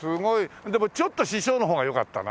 でもちょっと師匠の方が良かったな。